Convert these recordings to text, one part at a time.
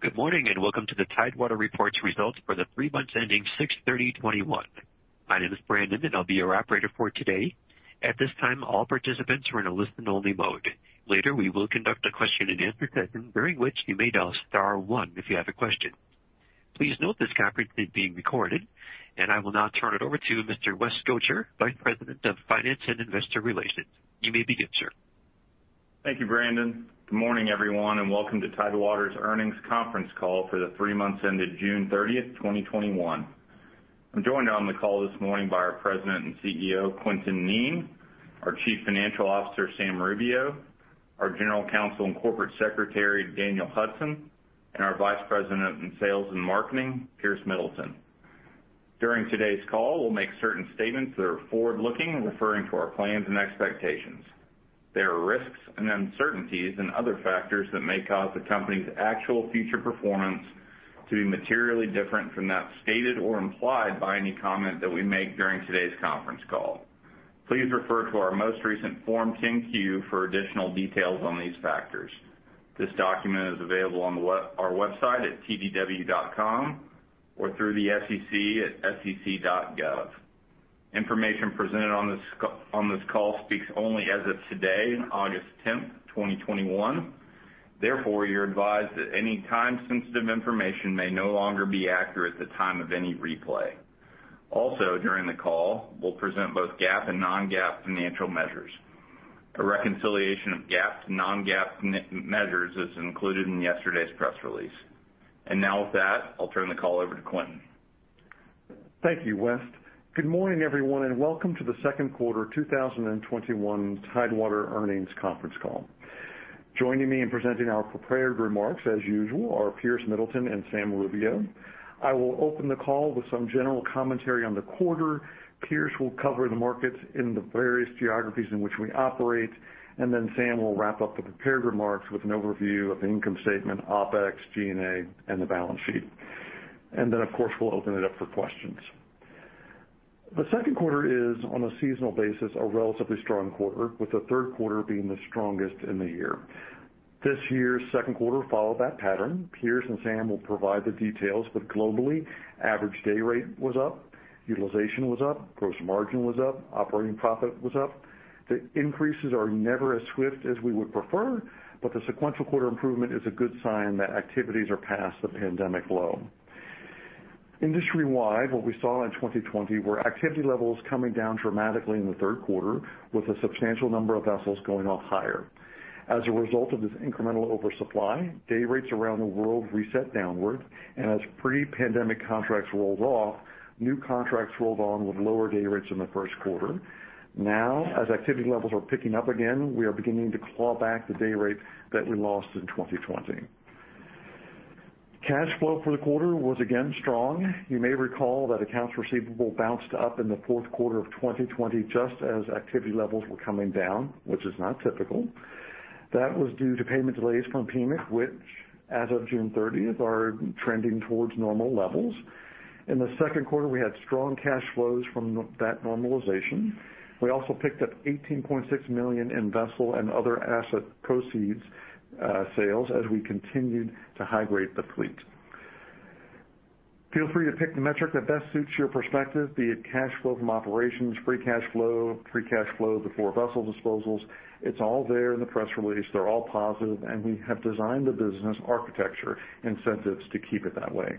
Good morning, welcome to the Tidewater reports results for the three months ending June 30, 2021. My name is Brandon, and I'll be your operator for today. At this time, all participants are in a listen only mode. Later, we will conduct a question and answer session, during which you may dial star one if you have a question. Please note this conference is being recorded, and I will now turn it over to Mr. West Gotcher, Vice President of Finance and Investor Relations. You may begin, sir. Thank you, Brandon. Good morning, everyone, welcome to Tidewater's earnings conference call for the three months ended June 30th, 2021. I'm joined on the call this morning by our President and CEO, Quintin Kneen, our Chief Financial Officer, Samuel Rubio, our General Counsel and Corporate Secretary, Daniel Hudson, and our Vice President in Sales and Marketing, Piers Middleton. During today's call, we'll make certain statements that are forward-looking and referring to our plans and expectations. There are risks and uncertainties and other factors that may cause the company's actual future performance to be materially different from that stated or implied by any comment that we make during today's conference call. Please refer to our most recent Form 10-Q for additional details on these factors. This document is available on our website at tdw.com or through the SEC at sec.gov. Information presented on this call speaks only as of today, August 10th, 2021. You're advised that any time-sensitive information may no longer be accurate at the time of any replay. Also, during the call, we'll present both GAAP and non-GAAP financial measures. A reconciliation of GAAP to non-GAAP measures is included in yesterday's press release. With that, I'll turn the call over to Quintin. Thank you, West. Good morning, everyone, and welcome to the second quarter 2021 Tidewater earnings conference call. Joining me in presenting our prepared remarks, as usual, are Piers Middleton and Samuel Rubio. I will open the call with some general commentary on the quarter. Piers will cover the markets in the various geographies in which we operate, and then Sam will wrap up the prepared remarks with an overview of the income statement, OpEx, G&A, and the balance sheet. Of course, we'll open it up for questions. The second quarter is, on a seasonal basis, a relatively strong quarter, with the third quarter being the strongest in the year. This year's second quarter followed that pattern. Piers and Sam will provide the details, but globally, average day rate was up, utilization was up, gross margin was up, operating profit was up. The increases are never as swift as we would prefer, but the sequential quarter improvement is a good sign that activities are past the pandemic low. Industry-wide, what we saw in 2020 were activity levels coming down dramatically in the third quarter with a substantial number of vessels going off hire. As a result of this incremental oversupply, day rates around the world reset downward, and as pre-pandemic contracts rolled off, new contracts rolled on with lower day rates in the first quarter. Now, as activity levels are picking up again, we are beginning to claw back the day rate that we lost in 2020. Cash flow for the quarter was again strong. You may recall that accounts receivable bounced up in the fourth quarter of 2020, just as activity levels were coming down, which is not typical. That was due to payment delays from Pemex, which, as of June 30th, are trending towards normal levels. In the second quarter, we had strong cash flows from that normalization. We also picked up $18.6 million in vessel and other asset proceeds, sales as we continued to high-grade the fleet. Feel free to pick the metric that best suits your perspective, be it cash flow from operations, free cash flow, free cash flow before vessel disposals. It's all there in the press release. They're all positive. We have designed the business architecture incentives to keep it that way.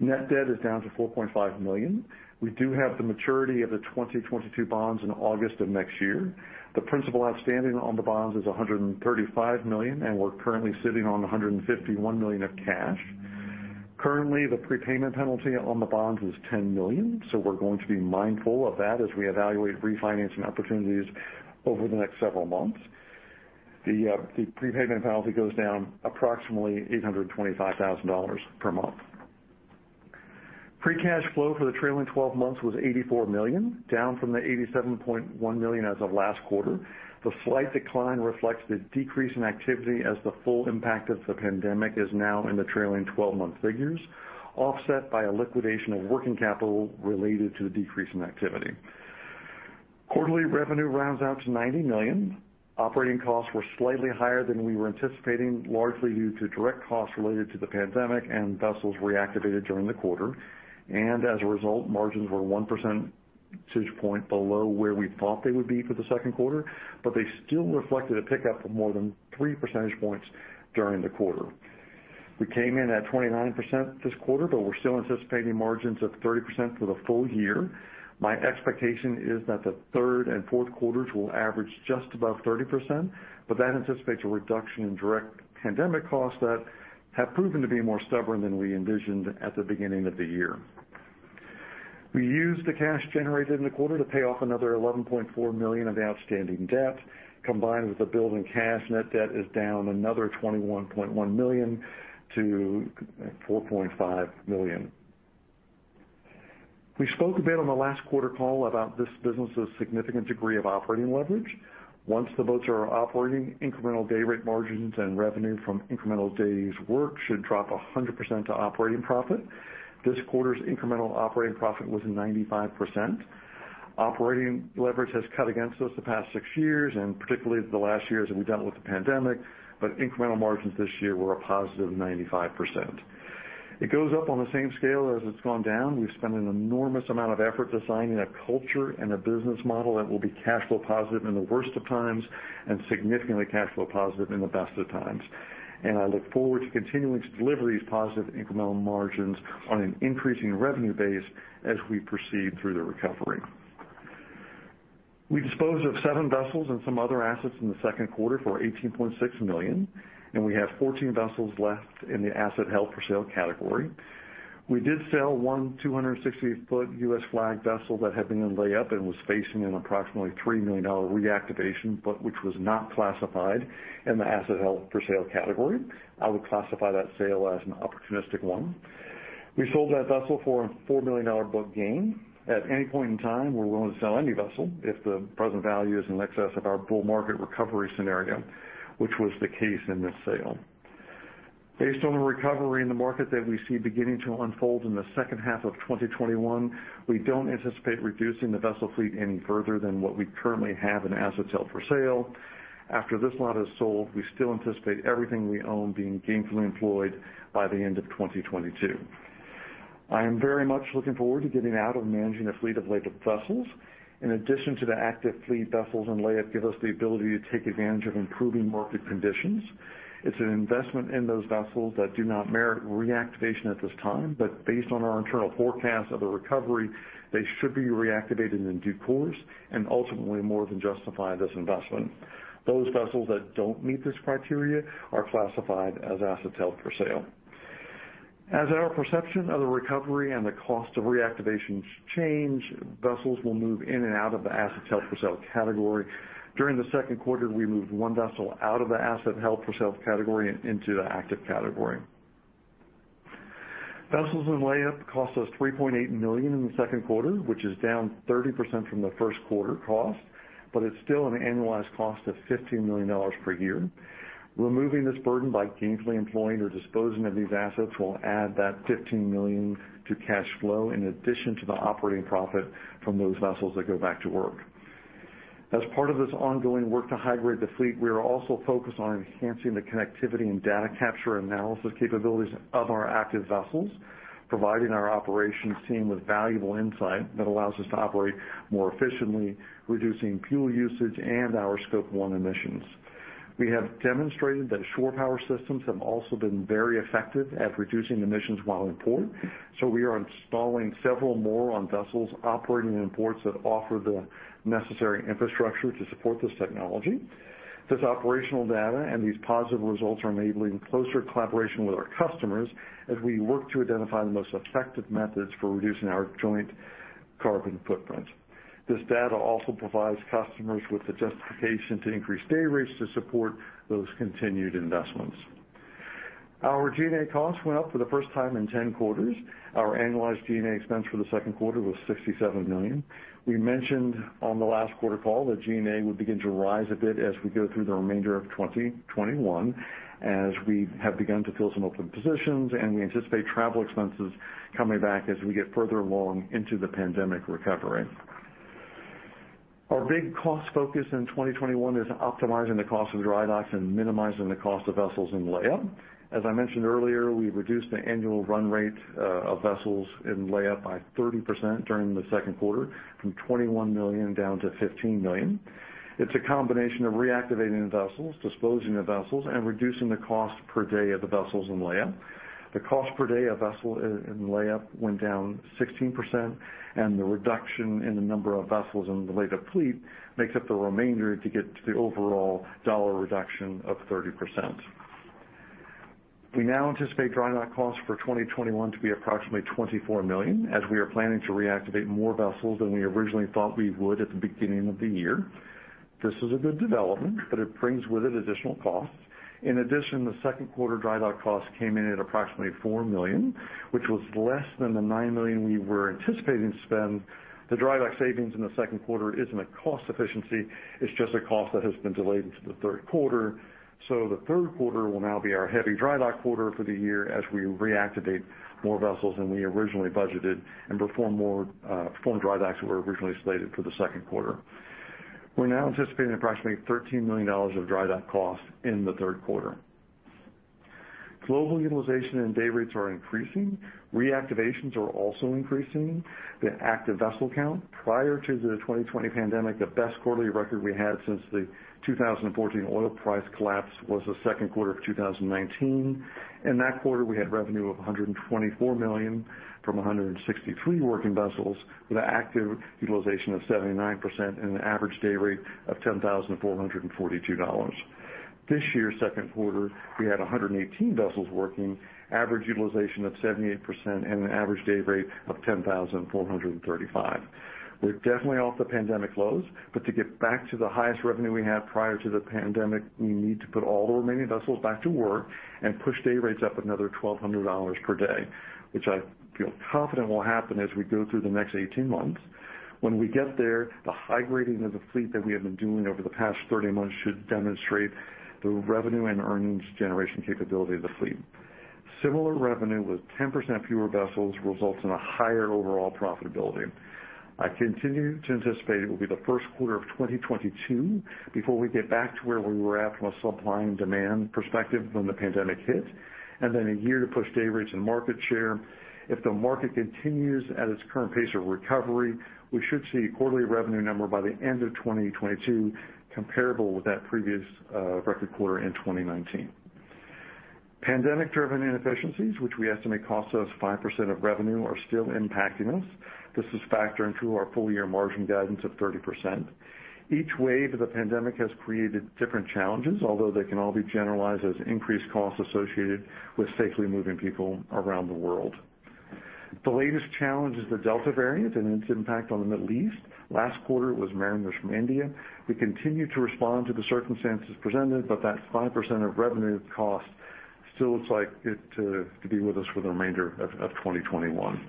Net debt is down to $4.5 million. We do have the maturity of the 2022 bonds in August of next year. The principal outstanding on the bonds is $135 million. We're currently sitting on $151 million of cash. Currently, the prepayment penalty on the bonds is $10 million, so we're going to be mindful of that as we evaluate refinancing opportunities over the next several months. The prepayment penalty goes down approximately $825,000 per month. Free cash flow for the trailing 12 months was $84 million, down from the $87.1 million as of last quarter. The slight decline reflects the decrease in activity as the full impact of the pandemic is now in the trailing 12-month figures, offset by a liquidation of working capital related to the decrease in activity. Quarterly revenue rounds out to $90 million. Operating costs were slightly higher than we were anticipating, largely due to direct costs related to the pandemic and vessels reactivated during the quarter. As a result, margins were one percentage point below where we thought they would be for the second quarter. They still reflected a pickup of more than three percentage points during the quarter. We came in at 29% this quarter. We're still anticipating margins of 30% for the full year. My expectation is that the third and fourth quarters will average just above 30%. That anticipates a reduction in direct pandemic costs that have proven to be more stubborn than we envisioned at the beginning of the year. We used the cash generated in the quarter to pay off another $11.4 million of outstanding debt. Combined with the build in cash, net debt is down another $21.1 million-$4.5 million. We spoke a bit on the last quarter call about this business' significant degree of operating leverage. Once the boats are operating, incremental day rate margins and revenue from incremental days worked should drop 100% to operating profit. This quarter's incremental operating profit was 95%. Operating leverage has cut against us the past six years, and particularly the last years that we've dealt with the pandemic, but incremental margins this year were a positive 95%. It goes up on the same scale as it's gone down. We've spent an enormous amount of effort designing a culture and a business model that will be cash flow positive in the worst of times and significantly cash flow positive in the best of times. I look forward to continuing to deliver these positive incremental margins on an increasing revenue base as we proceed through the recovery. We disposed of seven vessels and some other assets in the second quarter for $18.6 million, and we have 14 vessels left in the asset held for sale category. We did sell 260 ft U.S.-flagged vessel that had been in layup and was facing an approximately $3 million reactivation, but which was not classified in the asset held for sale category. I would classify that sale as an opportunistic one. We sold that vessel for a $4 million book gain. At any point in time, we're willing to sell any vessel if the present value is in excess of our bull market recovery scenario, which was the case in this sale. Based on the recovery in the market that we see beginning to unfold in the second half of 2021, we don't anticipate reducing the vessel fleet any further than what we currently have in assets held for sale. After this lot is sold, we still anticipate everything we own being gainfully employed by the end of 2022. I am very much looking forward to getting out of managing a fleet of laid-up vessels. In addition to the active fleet, vessels in layup give us the ability to take advantage of improving market conditions. It's an investment in those vessels that do not merit reactivation at this time, but based on our internal forecast of the recovery, they should be reactivated in due course and ultimately more than justify this investment. Those vessels that don't meet this criteria are classified as assets held for sale. As our perception of the recovery and the cost of reactivation change, vessels will move in and out of the asset held for sale category. During the second quarter, we moved one vessel out of the asset held for sale category and into the active category. Vessels in layup cost us $3.8 million in the second quarter, which is down 30% from the first quarter cost, it's still an annualized cost of $15 million per year. Removing this burden by gainfully employing or disposing of these assets will add that $15 million to cash flow in addition to the operating profit from those vessels that go back to work. As part of this ongoing work to high-grade the fleet, we are also focused on enhancing the connectivity and data capture analysis capabilities of our active vessels, providing our operations team with valuable insight that allows us to operate more efficiently, reducing fuel usage and our Scope 1 emissions. We have demonstrated that shore power systems have also been very effective at reducing emissions while in port. We are installing several more on vessels operating in ports that offer the necessary infrastructure to support this technology. This operational data and these positive results are enabling closer collaboration with our customers as we work to identify the most effective methods for reducing our joint carbon footprint. This data also provides customers with the justification to increase day rates to support those continued investments. Our G&A costs went up for the first time in 10 quarters. Our annualized G&A expense for the second quarter was $67 million. We mentioned on the last quarter call that G&A would begin to rise a bit as we go through the remainder of 2021, as we have begun to fill some open positions, and we anticipate travel expenses coming back as we get further along into the pandemic recovery. Our big cost focus in 2021 is optimizing the cost of dry docks and minimizing the cost of vessels in layup. As I mentioned earlier, we reduced the annual run rate of vessels in layup by 30% during the second quarter from $21 million down to $15 million. It's a combination of reactivating the vessels, disposing the vessels, and reducing the cost per day of the vessels in layup. The cost per day of vessel in layup went down 16%, and the reduction in the number of vessels in the laid-up fleet makes up the remainder to get to the overall dollar reduction of 30%. We now anticipate dry dock costs for 2021 to be approximately $24 million, as we are planning to reactivate more vessels than we originally thought we would at the beginning of the year. This is a good development, it brings with it additional costs. In addition, the second quarter dry dock costs came in at approximately $4 million, which was less than the $9 million we were anticipating to spend. The dry dock savings in the second quarter isn't a cost efficiency, it's just a cost that has been delayed into the third quarter. The third quarter will now be our heavy dry dock quarter for the year as we reactivate more vessels than we originally budgeted and perform dry docks that were originally slated for the second quarter. We're now anticipating approximately $13 million of dry dock costs in the third quarter. Global utilization and day rates are increasing. Reactivations are also increasing. The active vessel count prior to the 2020 pandemic, the best quarterly record we had since the 2014 oil price collapse, was the second quarter of 2019. In that quarter, we had revenue of $124 million from 163 working vessels with an active utilization of 79% and an average day rate of $10,442. This year's second quarter, we had 118 vessels working, average utilization of 78%, and an average day rate of $10,435. We're definitely off the pandemic lows, to get back to the highest revenue we had prior to the pandemic, we need to put all the remaining vessels back to work and push day rates up another $1,200 per day, which I feel confident will happen as we go through the next 18 months. When we get there, the high-grading of the fleet that we have been doing over the past 30 months should demonstrate the revenue and earnings generation capability of the fleet. Similar revenue with 10% fewer vessels results in a higher overall profitability. I continue to anticipate it will be the first quarter of 2022 before we get back to where we were at from a supply and demand perspective when the pandemic hit, then a year to push day rates and market share. If the market continues at its current pace of recovery, we should see a quarterly revenue number by the end of 2022, comparable with that previous record quarter in 2019. Pandemic-driven inefficiencies, which we estimate cost us 5% of revenue, are still impacting us. This is factored into our full-year margin guidance of 30%. Each wave of the pandemic has created different challenges, although they can all be generalized as increased costs associated with safely moving people around the world. The latest challenge is the Delta variant and its impact on the Middle East. Last quarter, it was mariners from India. We continue to respond to the circumstances presented, but that 5% of revenue cost still looks like it to be with us for the remainder of 2021.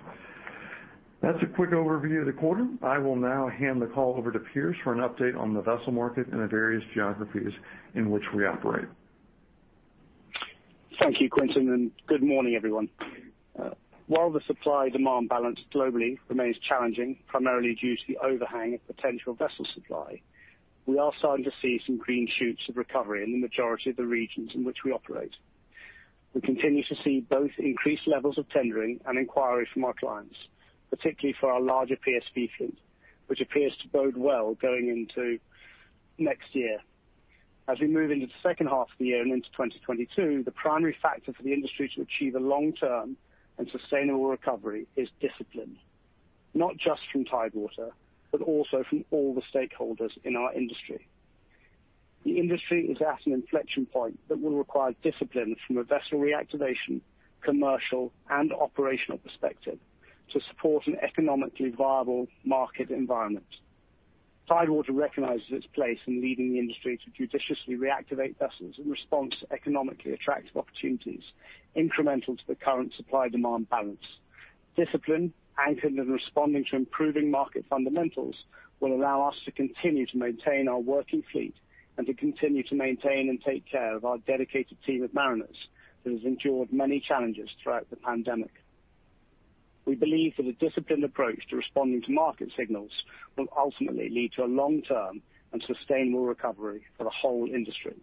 That's a quick overview of the quarter. I will now hand the call over to Piers for an update on the vessel market in the various geographies in which we operate. Thank you, Quintin, and good morning, everyone. While the supply-demand balance globally remains challenging, primarily due to the overhang of potential vessel supply, we are starting to see some green shoots of recovery in the majority of the regions in which we operate. We continue to see both increased levels of tendering and inquiry from our clients, particularly for our larger PSV fleet, which appears to bode well going into next year. As we move into the second half of the year and into 2022, the primary factor for the industry to achieve a long-term and sustainable recovery is discipline, not just from Tidewater, but also from all the stakeholders in our industry. The industry is at an inflection point that will require discipline from a vessel reactivation, commercial, and operational perspective to support an economically viable market environment. Tidewater recognizes its place in leading the industry to judiciously reactivate vessels in response to economically attractive opportunities incremental to the current supply-demand balance. Discipline, anchored in responding to improving market fundamentals, will allow us to continue to maintain our working fleet and to continue to maintain and take care of our dedicated team of mariners that has endured many challenges throughout the pandemic. We believe that a disciplined approach to responding to market signals will ultimately lead to a long-term and sustainable recovery for the whole industry.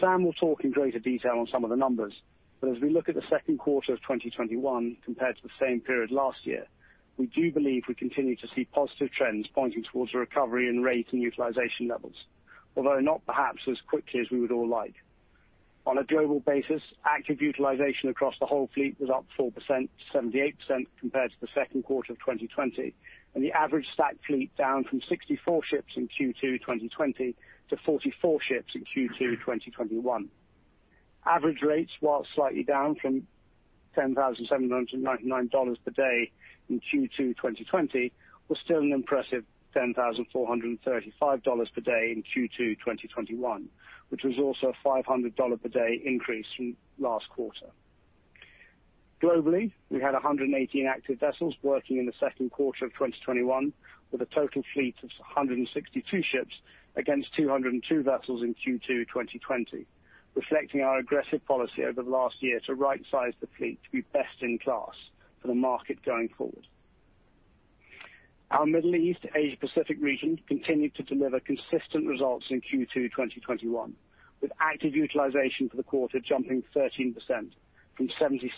Sam will talk in greater detail on some of the numbers, but as we look at the second quarter of 2021 compared to the same period last year, we do believe we continue to see positive trends pointing towards a recovery in rate and utilization levels, although not perhaps as quickly as we would all like. On a global basis, active utilization across the whole fleet was up 4%-78% compared to the second quarter of 2020, and the average stacked fleet down from 64 ships in Q2 2020 to 44 ships in Q2 2021. Average rates, while slightly down from $10,799 per day in Q2 2020, were still an impressive $10,435 per day in Q2 2021, which was also a $500 per day increase from last quarter. Globally, we had 118 active vessels working in the second quarter of 2021 with a total fleet of 162 ships against 202 vessels in Q2 2020, reflecting our aggressive policy over the last year to rightsize the fleet to be best in class for the market going forward. Our Middle East Asia Pacific region continued to deliver consistent results in Q2 2021, with active utilization for the quarter jumping 13%, from 76%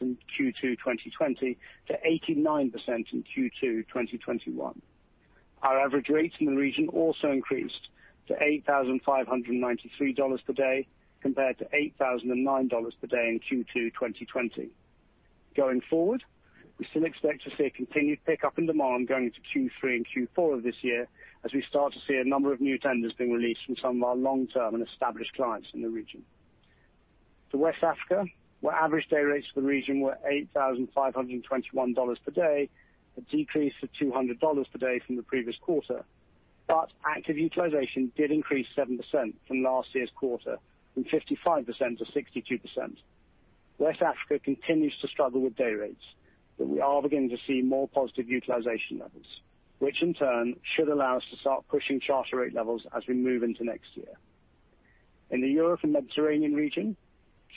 in Q2 2020 to 89% in Q2 2021. Our average rates in the region also increased to $8,593 per day, compared to $8,009 per day in Q2 2020. Going forward, we still expect to see a continued pickup in demand going into Q3 and Q4 of this year as we start to see a number of new tenders being released from some of our long-term and established clients in the region. To West Africa, where average day rates for the region were $8,521 per day, a decrease of $200 per day from the previous quarter, but active utilization did increase 7% from last year's quarter from 55%-62%. West Africa continues to struggle with day rates, but we are beginning to see more positive utilization levels, which in turn should allow us to start pushing charter rate levels as we move into next year. In the Europe and Mediterranean region,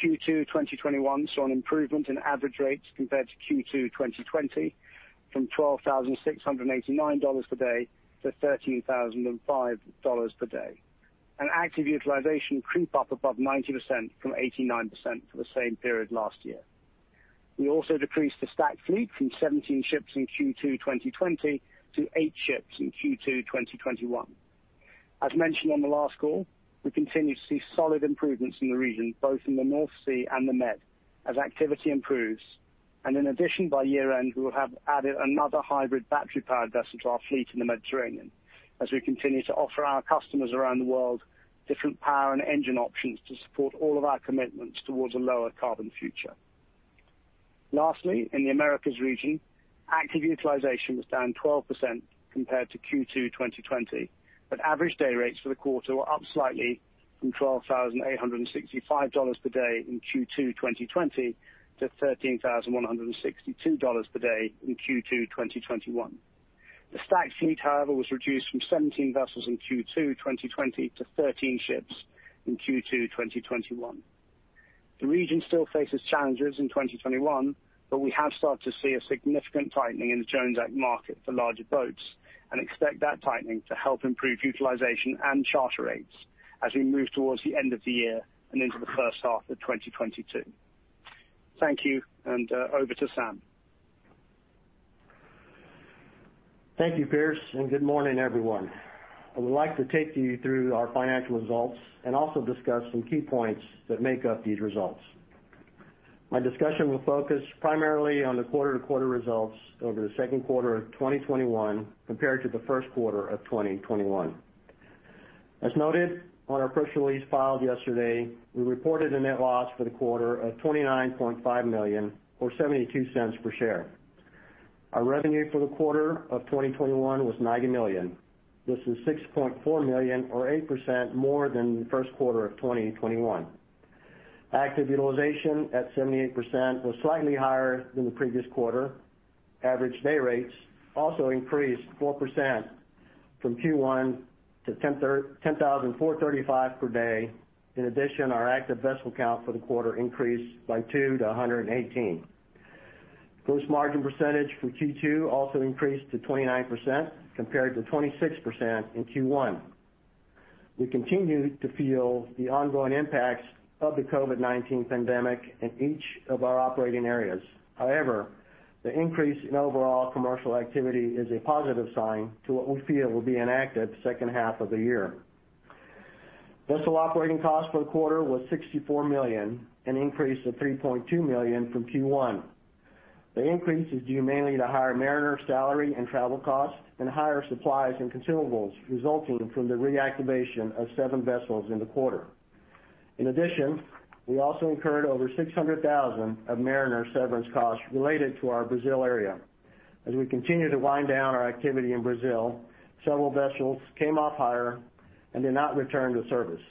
Q2 2021 saw an improvement in average rates compared to Q2 2020, from $12,689 per day to $13,005 per day, and active utilization creep up above 90% from 89% for the same period last year. We also decreased the stacked fleet from 17 ships in Q2 2020 to eight ships in Q2 2021. As mentioned on the last call, we continue to see solid improvements in the region, both in the North Sea and the Med as activity improves. In addition, by year-end, we will have added another hybrid battery-powered vessel to our fleet in the Mediterranean as we continue to offer our customers around the world different power and engine options to support all of our commitments towards a lower carbon future. Lastly, in the Americas region, active utilization was down 12% compared to Q2 2020, but average day rates for the quarter were up slightly from $12,865 per day in Q2 2020 to $13,162 per day in Q2 2021. The stacked fleet, however, was reduced from 17 vessels in Q2 2020 to 13 ships in Q2 2021. The region still faces challenges in 2021, but we have started to see a significant tightening in the Jones Act market for larger boats, and expect that tightening to help improve utilization and charter rates as we move towards the end of the year and into the first half of 2022. Thank you, and over to Sam. Thank you, Piers, good morning, everyone. I would like to take you through our financial results and also discuss some key points that make up these results. My discussion will focus primarily on the quarter-to-quarter results over the second quarter of 2021 compared to the first quarter of 2021. As noted on our press release filed yesterday, we reported a net loss for the quarter of $29.5 million, or $0.72 per share. Our revenue for the quarter of 2021 was $90 million. This is $6.4 million or 8% more than the first quarter of 2021. Active utilization at 78% was slightly higher than the previous quarter. Average day rates also increased 4% from Q1 to $10,435 per day. In addition, our active vessel count for the quarter increased by 2%-118%. Gross margin percentage for Q2 also increased to 29%, compared to 26% in Q1. We continue to feel the ongoing impacts of the COVID-19 pandemic in each of our operating areas. The increase in overall commercial activity is a positive sign to what we feel will be an active second half of the year. Vessel operating costs for the quarter was $64 million, an increase of $3.2 million from Q1. The increase is due mainly to higher mariner salary and travel costs, and higher supplies and consumables resulting from the reactivation of seven vessels in the quarter. We also incurred over $600,000 of mariner severance costs related to our Brazil area. We continue to wind down our activity in Brazil, several vessels came off hire and did not return to service.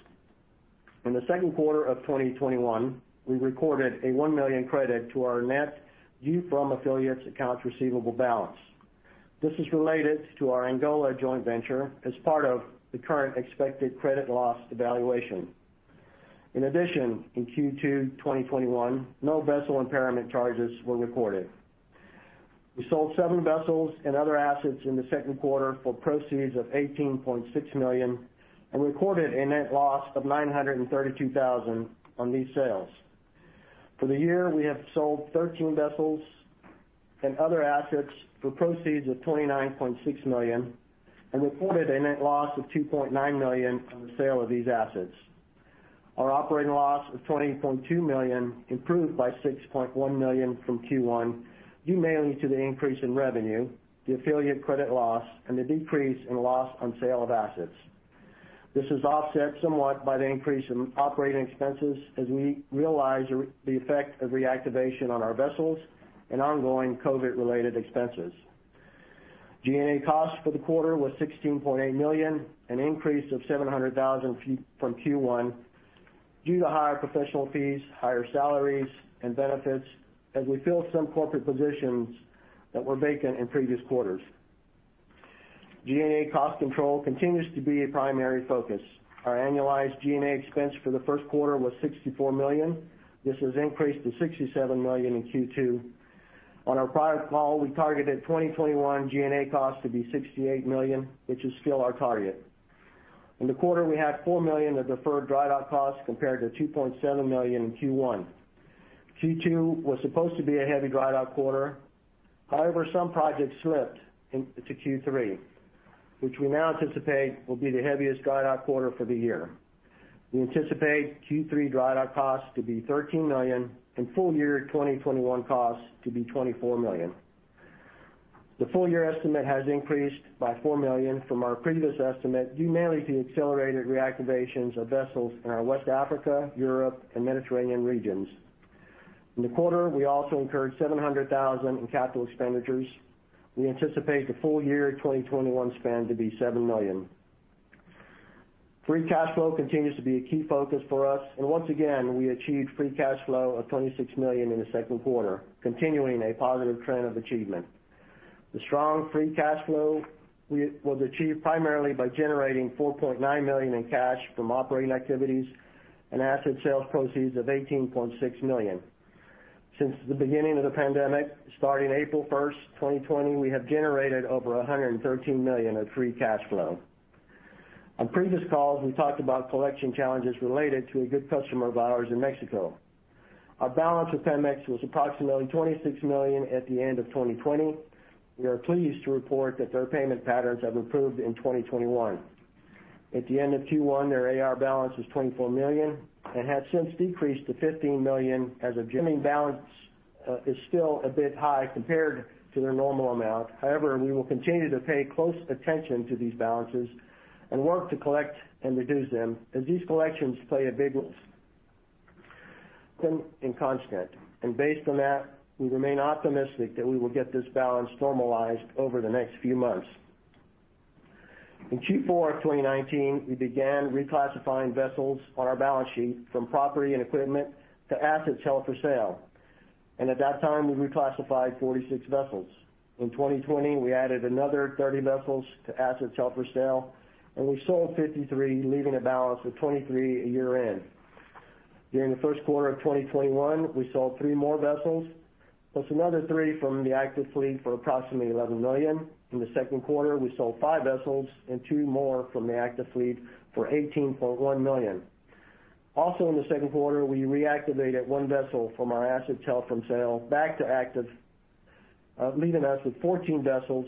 In the second quarter of 2021, we recorded a $1 million credit to our net due from affiliates accounts receivable balance. This is related to our Angola joint venture as part of the current expected credit loss evaluation. In addition, in Q2 2021, no vessel impairment charges were recorded. We sold seven vessels and other assets in the second quarter for proceeds of $18.6 million and recorded a net loss of $932,000 on these sales. For the year, we have sold 13 vessels and other assets for proceeds of $29.6 million and reported a net loss of $2.9 million on the sale of these assets. Our operating loss of $20.2 million improved by $6.1 million from Q1, due mainly to the increase in revenue, the affiliate credit loss, and the decrease in loss on sale of assets. This is offset somewhat by the increase in operating expenses as we realize the effect of reactivation on our vessels and ongoing COVID-related expenses. G&A costs for the quarter was $16.8 million, an increase of $700,000 from Q1 due to higher professional fees, higher salaries and benefits as we fill some corporate positions that were vacant in previous quarters. G&A cost control continues to be a primary focus. Our annualized G&A expense for the first quarter was $64 million. This has increased to $67 million in Q2. On our prior call, we targeted 2021 G&A cost to be $68 million, which is still our target. In the quarter, we had $4 million of deferred dry dock costs, compared to $2.7 million in Q1. Q2 was supposed to be a heavy dry dock quarter. Some projects slipped into Q3, which we now anticipate will be the heaviest dry dock quarter for the year. We anticipate Q3 dry dock costs to be $13 million and full year 2021 costs to be $24 million. The full year estimate has increased by $4 million from our previous estimate, due mainly to accelerated reactivations of vessels in our West Africa, Europe, and Mediterranean regions. In the quarter, we also incurred $700,000 in capital expenditures. We anticipate the full year 2021 spend to be $7 million. Free cash flow continues to be a key focus for us, and once again, we achieved free cash flow of $26 million in the second quarter, continuing a positive trend of achievement. The strong free cash flow was achieved primarily by generating $4.9 million in cash from operating activities and asset sales proceeds of $18.6 million. Since the beginning of the pandemic, starting April 1st, 2020, we have generated over $113 million of free cash flow. On previous calls, we talked about collection challenges related to a good customer of ours in Mexico. Our balance with Pemex was approximately $26 million at the end of 2020. We are pleased to report that their payment patterns have improved in 2021. At the end of Q1, their AR balance was $24 million and has since decreased to $15 million as of balance, is still a bit high compared to their normal amount. We will continue to pay close attention to these balances and work to collect and reduce them, as these collections play a big role. Based on that, we remain optimistic that we will get this balance normalized over the next few months. In Q4 2019, we began reclassifying vessels on our balance sheet from property and equipment to assets held for sale. At that time, we reclassified 46 vessels. In 2020, we added another 30 vessels to assets held for sale, and we sold 53, leaving a balance of 23 year-end. During the first quarter of 2021, we sold three more vessels, plus another three from the active fleet for approximately $11 million. In the second quarter, we sold five vessels and two more from the active fleet for $18.1 million. Also, in the second quarter, we reactivated one vessel from our assets held for sale back to active, leaving us with 14 vessels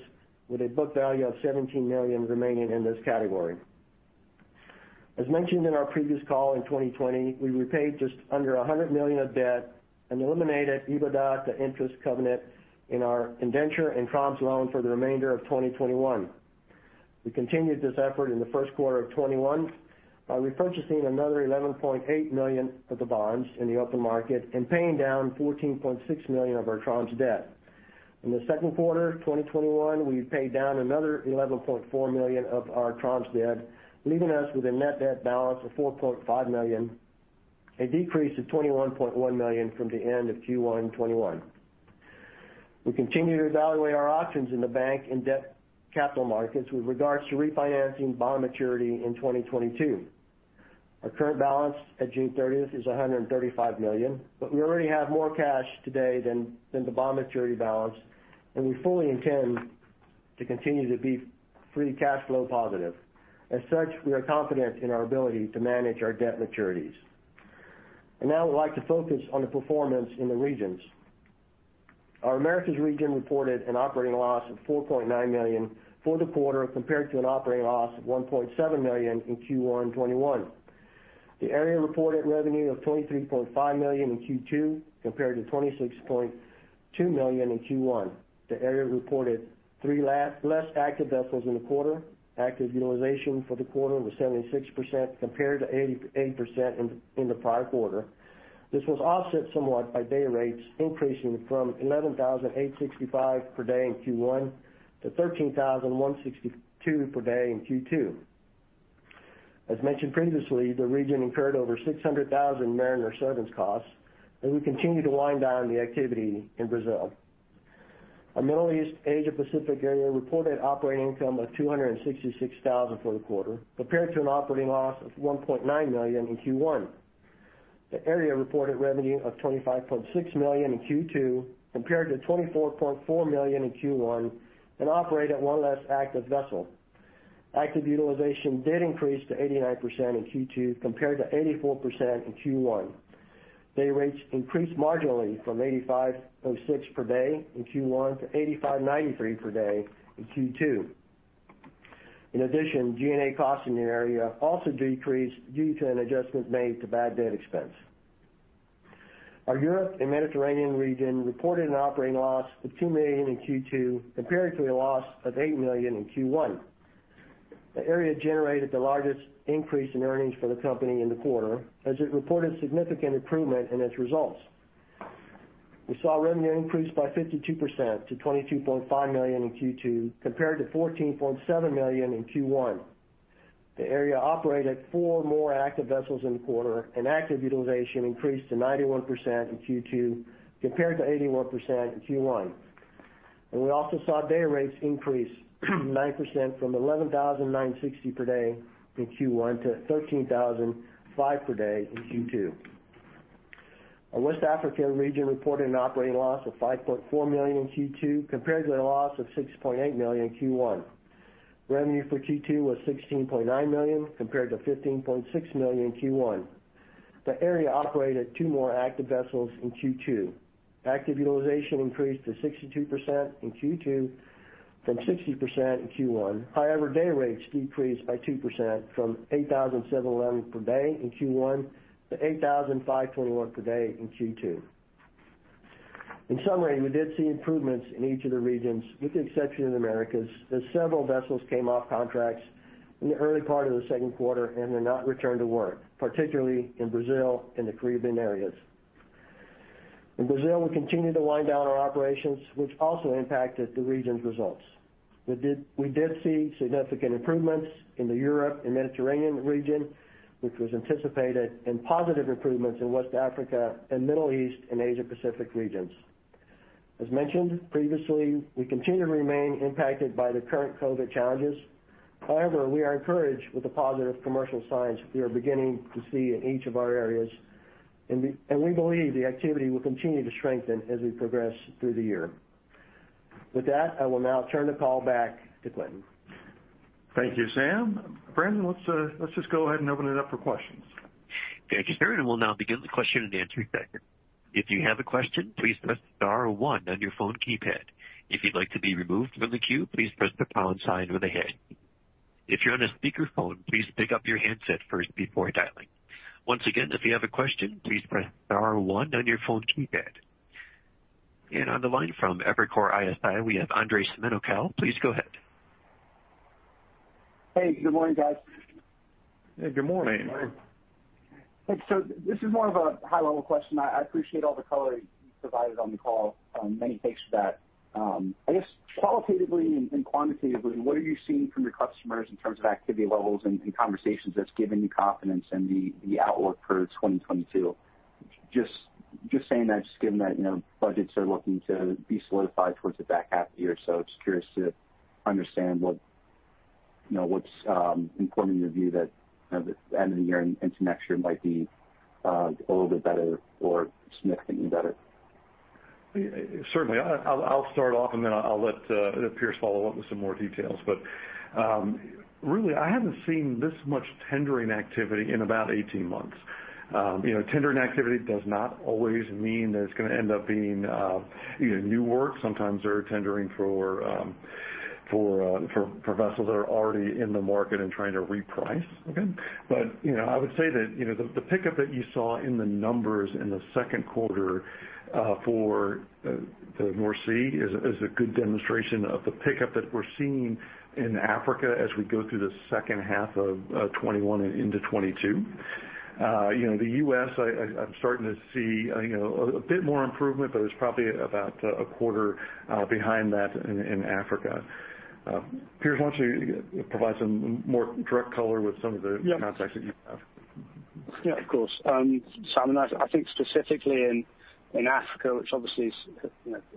with a book value of $17 million remaining in this category. As mentioned in our previous call in 2020, we repaid just under $100 million of debt and eliminated EBITDA to interest covenant in our indenture and Troms' loan for the remainder of 2021. We continued this effort in the first quarter of 2021 by repurchasing another $11.8 million of the bonds in the open market and paying down $14.6 million of our Troms' debt. In the second quarter 2021, we paid down another $11.4 million of our Troms' debt, leaving us with a net debt balance of $4.5 million, a decrease of $21.1 million from the end of Q1 2021. We continue to evaluate our options in the bank and debt capital markets with regards to refinancing bond maturity in 2022. Our current balance at June 30th is $135 million, but we already have more cash today than the bond maturity balance, and we fully intend to continue to be free cash flow positive. As such, we are confident in our ability to manage our debt maturities. Now I would like to focus on the performance in the regions. Our Americas Region reported an operating loss of $4.9 million for the quarter compared to an operating loss of $1.7 million in Q1 2021. The area reported revenue of $23.5 million in Q2 compared to $26.2 million in Q1. The area reported three less active vessels in the quarter. Active utilization for the quarter was 76% compared to 88% in the prior quarter. This was offset somewhat by dayrates increasing from $11,865 per day in Q1 to $13,162 per day in Q2. As mentioned previously, the region incurred over $600,000 mariner severance costs, and we continue to wind down the activity in Brazil. Our Middle East Asia Pacific Area reported operating income of $266,000 for the quarter, compared to an operating loss of $1.9 million in Q1. The area reported revenue of $25.6 million in Q2, compared to $24.4 million in Q1, and operate at one less active vessel. Active utilization did increase to 89% in Q2 compared to 84% in Q1. Dayrates increased marginally from $8,506 per day in Q1 to $8,593 per day in Q2. In addition, G&A costs in the area also decreased due to an adjustment made to bad debt expense. Our Europe and Mediterranean region reported an operating loss of $2 million in Q2 compared to a loss of $8 million in Q1. The area generated the largest increase in earnings for the company in the quarter as it reported significant improvement in its results. We saw revenue increase by 52% to $22.5 million in Q2 compared to $14.7 million in Q1. The area operated four more active vessels in the quarter, and active utilization increased to 91% in Q2 compared to 81% in Q1. We also saw dayrates increase 9% from $11,960 per day in Q1 to $13,005 per day in Q2. Our West Africa region reported an operating loss of $5.4 million in Q2 compared to a loss of $6.8 million in Q1. Revenue for Q2 was $16.9 million compared to $15.6 million in Q1. The area operated two more active vessels in Q2. Active utilization increased to 62% in Q2 from 60% in Q1. However, dayrates decreased by 2% from $8,711 per day in Q1 to $8,521 per day in Q2. In summary, we did see improvements in each of the regions, with the exception of Americas, as several vessels came off contracts in the early part of the second quarter and were not returned to work, particularly in Brazil and the Caribbean areas. In Brazil, we continued to wind down our operations, which also impacted the region's results. We did see significant improvements in the Europe and Mediterranean region, which was anticipated, and positive improvements in West Africa and Middle East and Asia Pacific regions. As mentioned previously, we continue to remain impacted by the current COVID-19 challenges. We are encouraged with the positive commercial signs we are beginning to see in each of our areas, and we believe the activity will continue to strengthen as we progress through the year. With that, I will now turn the call back to Quintin. Thank you, Sam. Brandon, let's just go ahead and open it up for questions. Thank you, sir. We'll now begin the question and answer segment. If you have a question, please press star one on your phone keypad. If you'd like to be removed on the queue, please press the pound key on the heist. If you are on the speaker phone, please pick-up your handset first before dialing. Once again, if you have a question, please press star one on your phone keypad. On the line from Evercore ISI, we have Andres Menocal. Please go ahead. Hey, good morning, guys. Hey, good morning. Thanks. This is more of a high-level question. I appreciate all the color you provided on the call. Many thanks for that. I guess qualitatively and quantitatively, what are you seeing from your customers in terms of activity levels and conversations that's giving you confidence in the outlook for 2022? Just saying that, just given that budgets are looking to be solidified towards the back half of the year. Just curious to understand what's important in your view that the end of the year into next year might be a little bit better or significantly better. Certainly. I'll start off, and then I'll let Piers follow up with some more details. Really, I haven't seen this much tendering activity in about 18 months. Tendering activity does not always mean that it's going to end up being new work. Sometimes they're tendering for vessels that are already in the market and trying to reprice. Okay. I would say that the pickup that you saw in the numbers in the second quarter for the North Sea is a good demonstration of the pickup that we are seeing in Africa as we go through the second half of 2021 and into 2022. The U.S., I am starting to see a bit more improvement, it is probably about a quarter behind that in Africa. Piers, why do not you provide some more direct color with some of the- Yeah context that you have? Yeah, of course. Samuel, I think specifically in Africa, which obviously is,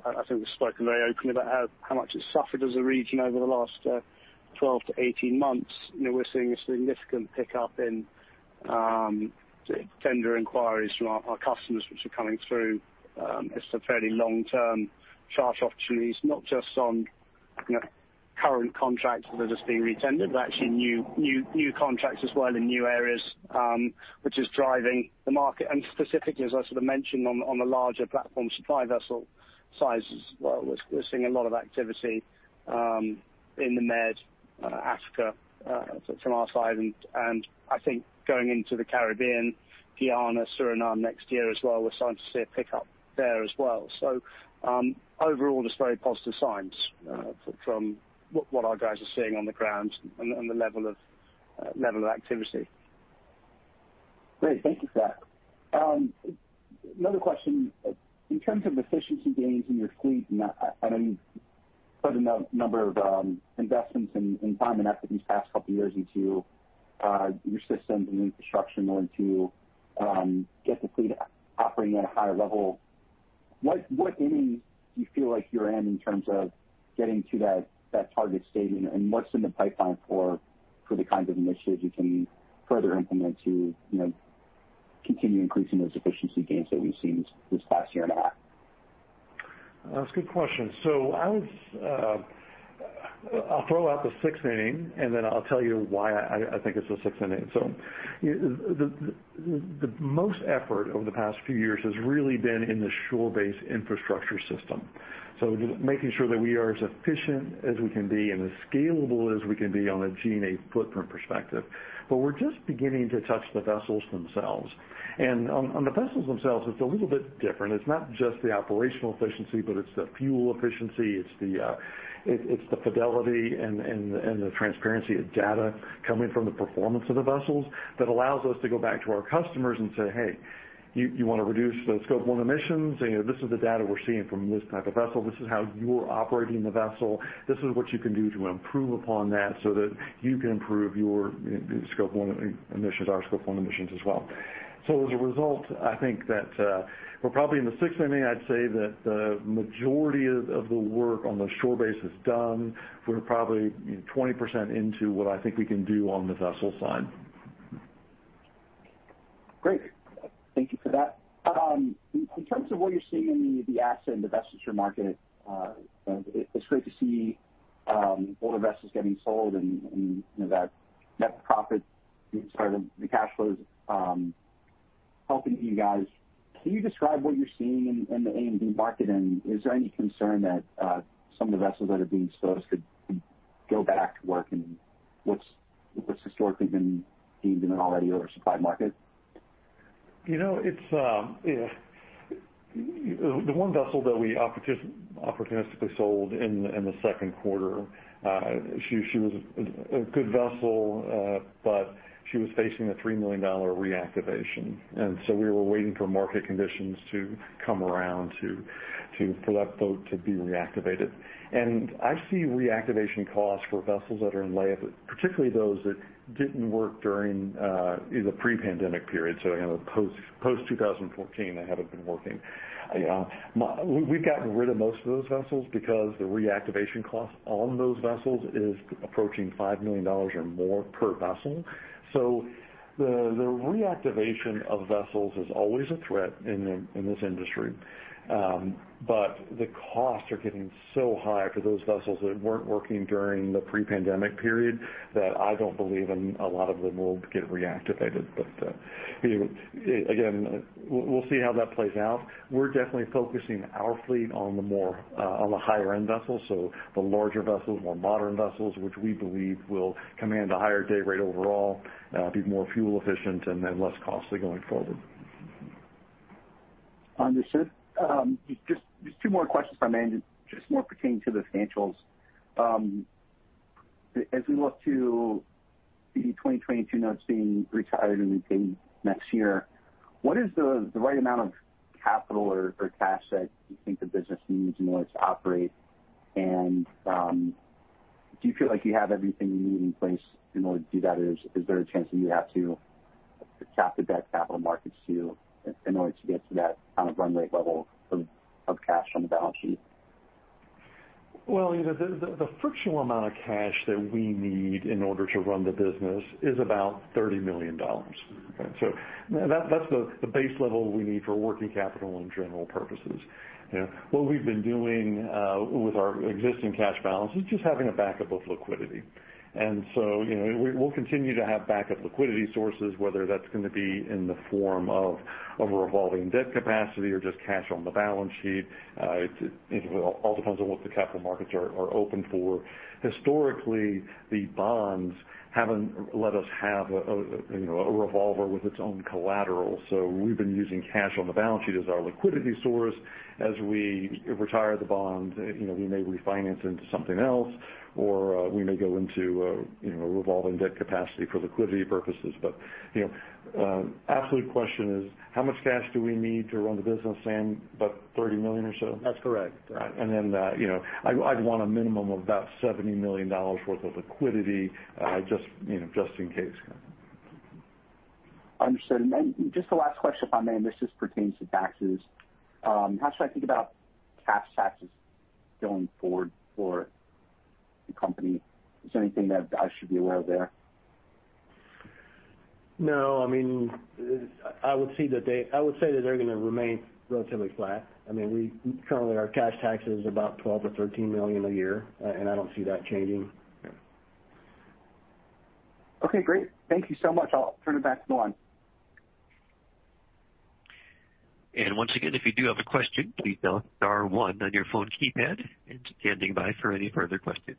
I think we've spoken very openly about how much it suffered as a region over the last 12-18 months. We're seeing a significant pickup in tender inquiries from our customers, which are coming through as some fairly long-term charter opportunities, not just on current contracts that are just being retendered, but actually new contracts as well in new areas, which is driving the market. Specifically, as I sort of mentioned on the larger platform supply vessel sizes, we're seeing a lot of activity in the Med, Africa, from our side. I think going into the Caribbean, Guyana, Suriname next year as well, we're starting to see a pickup there as well. Overall, just very positive signs from what our guys are seeing on the ground and the level of activity. Great. Thank you for that. Another question. In terms of efficiency gains in your fleet, I mean, you've put a number of investments in time and effort these past couple of years into your systems and infrastructure in order to get the fleet operating at a higher level. What innings do you feel like you're in in terms of getting to that target state, and what's in the pipeline for the kinds of initiatives you can further implement to continue increasing those efficiency gains that we've seen this past year and a half? That's a good question. I'll throw out the sixth inning, and then I'll tell you why I think it's the sixth inning. The most effort over the past few years has really been in the shore-based infrastructure system. Making sure that we are as efficient as we can be and as scalable as we can be on a G&A footprint perspective. We're just beginning to touch the vessels themselves. On the vessels themselves, it's a little bit different. It's not just the operational efficiency, but it's the fuel efficiency, it's the fidelity and the transparency of data coming from the performance of the vessels that allows us to go back to our customers and say, "Hey, you want to reduce the Scope 1 emissions? This is the data we're seeing from this type of vessel. This is how you're operating the vessel. This is what you can do to improve upon that so that you can improve your Scope 1 emissions, our Scope 1 emissions as well." As a result, I think that we're probably in the sixth inning. I'd say that the majority of the work on the shore base is done. We're probably 20% into what I think we can do on the vessel side. Great. Thank you for that. In terms of what you're seeing in the asset and divestiture market, it's great to see older vessels getting sold and that net profit, sorry, the cash flows, helping you guys. Can you describe what you're seeing in the OSV market, and is there any concern that some of the vessels that are being sold could go back to work in what's historically been deemed an already oversupplied market? The one vessel that we opportunistically sold in the second quarter, she was a good vessel, but she was facing a $3 million reactivation. We were waiting for market conditions to come around for that boat to be reactivated. I see reactivation costs for vessels that are in layup, particularly those that didn't work during the pre-pandemic period. Post 2014, they haven't been working. We've gotten rid of most of those vessels because the reactivation cost on those vessels is approaching $5 million or more per vessel. The reactivation of vessels is always a threat in this industry. The costs are getting so high for those vessels that weren't working during the pre-pandemic period that I don't believe a lot of them will get reactivated. Again, we'll see how that plays out. We're definitely focusing our fleet on the higher-end vessels, so the larger vessels, more modern vessels, which we believe will command a higher day rate overall, be more fuel efficient, and less costly going forward. Understood. Just two more questions, if I may. Just more pertaining to the financials. As we look to the 2022 notes being retired and repaid next year, what is the right amount of capital or cash that you think the business needs in order to operate? Do you feel like you have everything you need in place in order to do that? Is there a chance that you have to tap into that capital markets too in order to get to that kind of runway level of cash on the balance sheet? The frictional amount of cash that we need in order to run the business is about $30 million. That's the base level we need for working capital and general purposes. What we've been doing with our existing cash balance is just having a backup of liquidity. We'll continue to have backup liquidity sources, whether that's going to be in the form of a revolving debt capacity or just cash on the balance sheet. It all depends on what the capital markets are open for. Historically, the bonds haven't let us have a revolver with its own collateral. We've been using cash on the balance sheet as our liquidity source. As we retire the bonds, we may refinance into something else, or we may go into a revolving debt capacity for liquidity purposes. Absolute question is, how much cash do we need to run the business, Sam? About $30 million or so? That's correct. Then I'd want a minimum of about $70 million worth of liquidity, just in case. Understood. Just the last question, if I may, this just pertains to taxes. How should I think about cash taxes going forward for the company? Is there anything that I should be aware of there? No. I would say that they're going to remain relatively flat. Currently, our cash tax is about $12 million or $13 million a year, and I don't see that changing. Okay, great. Thank you so much. I will turn it back to the line. Once again, if you do have a question, please dial star one on your phone keypad. Standing by for any further questions.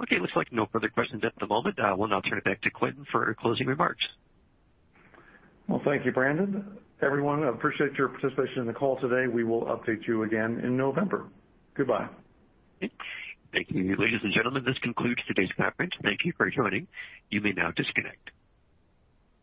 Okay, looks like no further questions at the moment. We'll now turn it back to Quintin for closing remarks. Well, thank you, Brandon. Everyone, I appreciate your participation in the call today. We will update you again in November. Goodbye. Thank you. Ladies and gentlemen, this concludes today's conference. Thank you for joining. You may now disconnect.